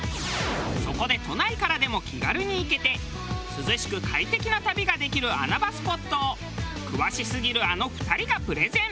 そこで都内からでも気軽に行けて涼しく快適な旅ができる穴場スポットを詳しすぎるあの２人がプレゼン。